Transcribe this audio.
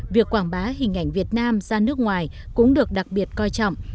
việc quảng bá hình ảnh việt nam ra nước ngoài cũng được đặc biệt coi trọng